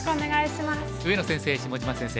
上野先生下島先生